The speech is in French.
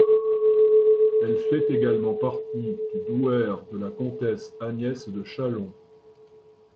Elle fait également partie du douaire de la comtesse Agnès de Châlons.